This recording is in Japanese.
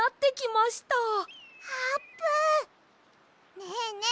ねえねえ